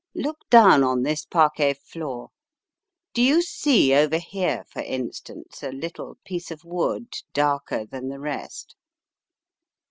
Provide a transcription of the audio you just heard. Look down on this parquet floor. Do you see over here, for instance, a little piece of the wood, darker than the rest?